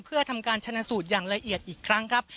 เพื่อทำการชนะสูตรอย่างละเอียดอีกครั้งครับ